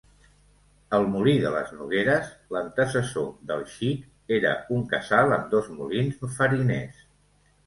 El molí de les Nogueres –l’antecessor del Xic– era un casal amb dos molins fariners.